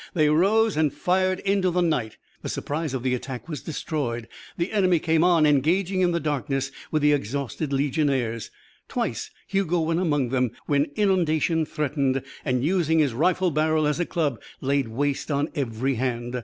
They rose and fired into the night. The surprise of the attack was destroyed. The enemy came on, engaging in the darkness with the exhausted Legionnaires. Twice Hugo went among them when inundation threatened and, using his rifle barrel as a club, laid waste on every hand.